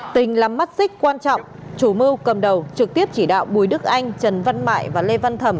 tình là mắt xích quan trọng chủ mưu cầm đầu trực tiếp chỉ đạo bùi đức anh trần văn mại và lê văn thẩm